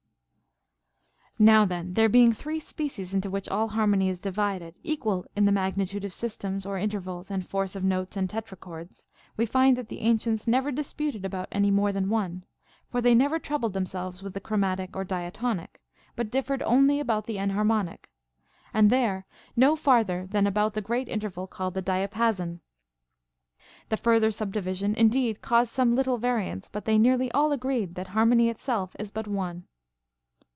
34. [Now then, there being three species into which all harmony is divided, equal in the magnitude of systems or intervals and force of notes and tetrachords, we find that the ancients never disputed about any more than one ; for they never troubled themselves with the chromatic or dia tonic, but dift"ered only about the enharmonic ; and there no farther than about the great interval called the diapason. The further subdivision indeed caused some little variance, but they nearly all agreed that harmony itself is but one.